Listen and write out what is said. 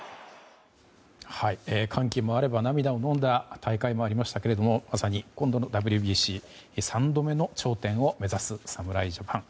歓喜もあれば、涙ものんだ大会もありましたけれどまさに今度のＷＢＣ３度目の頂点を目指す侍ジャパン。